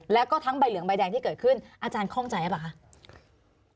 แล้วก็ทั้งใบเหลืองใบแดงที่เกิดขึ้นอาจารย์คล่องใจหรือเปล่าคะ